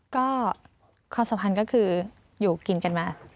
ก็ความสัมพันธ์ก็คืออยู่กินกันมา